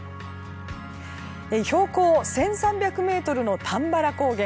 標高１３００ｍの玉原高原。